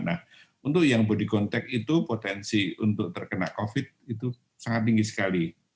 nah untuk yang body contact itu potensi untuk terkena covid itu sangat tinggi sekali